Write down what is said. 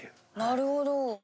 なるほど。